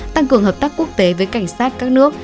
tăng cường hợp tác quốc tế với cảnh sát các nước